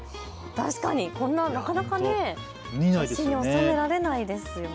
確かにこんな、なかなか写真に収められないですよね。